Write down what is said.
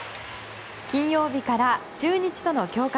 金曜日から、中日との強化